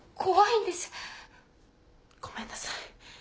ごめんなさい。